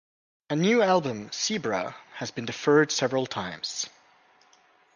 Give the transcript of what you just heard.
A new album, "Zebra", has been deferred several times.